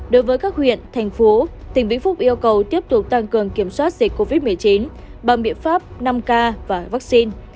đối với các huyện thành phố tỉnh vĩnh phúc yêu cầu tiếp tục tăng cường kiểm soát dịch covid một mươi chín bằng biện pháp năm k và vaccine